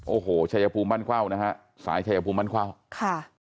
โอ้โหชัยภูมิบ้านเข้านะฮะสายชายภูมิบ้านเข้าค่ะ